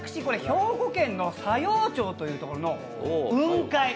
兵庫県の佐用町というところの雲海。